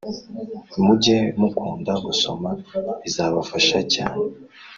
Mujye mu kunda gusoma bizabafasha cyane